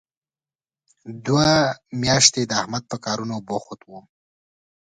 دوې میاشتې د احمد په کارونو وم.